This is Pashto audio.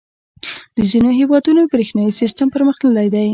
• د ځینو هېوادونو برېښنايي سیسټم پرمختللی دی.